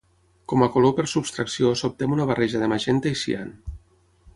Com a color per subtracció s'obté amb una barreja de magenta i cian.